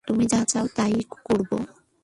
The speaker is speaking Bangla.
তুমি যা চাও, তা-ই করবো।